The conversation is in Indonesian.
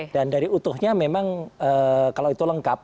dan dari utuhnya memang kalau itu lengkap